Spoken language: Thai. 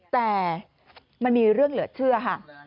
แต่มันมีเรื่องเหลือเชื่อค่ะ